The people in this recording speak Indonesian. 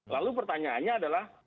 lalu pertanyaannya adalah